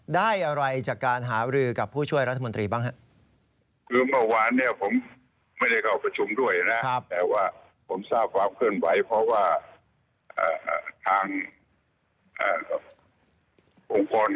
ได้อะไรจากการหารือกับผู้ช่วยรัฐมนตรีบ้างครับ